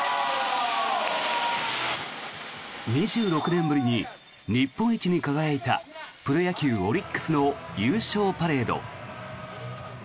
２６年ぶりに日本一に輝いたプロ野球、オリックスの優勝パレード。